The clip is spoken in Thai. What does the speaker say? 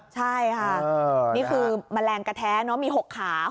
ใช่ค่ะนี่คือแมลงกระแท้เนอะมี๖ขาม